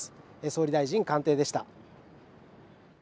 総理大臣官邸でした。